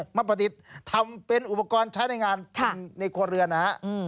มาประดิษฐ์ทำเป็นอุปกรณ์ใช้ในงานในครัวเรือนนะฮะ